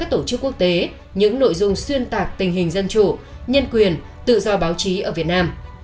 và gửi đến các tổ chức quốc tế những nội dung xuyên tạc tình hình dân chủ nhân quyền tự do báo chí ở việt nam